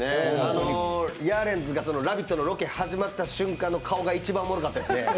ヤーレンズが「ラヴィット！」！のロケ始まった瞬間が一番おもろかったですね。